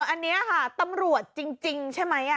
อันนี้ค่ะตำรวจจริงใช่ไหม